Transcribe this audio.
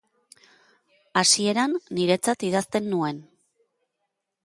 Hasieran, niretzat idazten nuen.